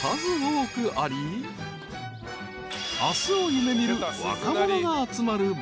［明日を夢見る若者が集まる場所］